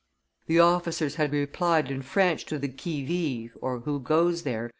The officers had replied in French to the Qui vive ( Who goes there?)